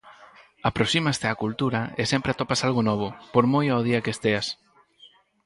Aproxímaste á cultura e sempre atopas algo novo, por moi ao día que esteas.